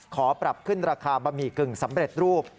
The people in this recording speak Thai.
ขอปรับขึ้นราคาบะหมี่กึ่งสำเร็จรูป